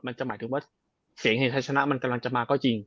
จะหมายถึงว่าเสียงเหตุไทยชนะมันกำลังจะมาก็จริง